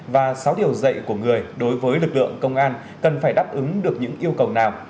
và sáu điều dạy của người đối với lực lượng công an cần phải đáp ứng được những yêu cầu nào